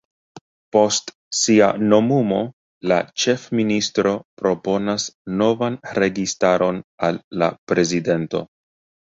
Post sia nomumo, la ĉefministro proponas novan registaron al la Prezidento.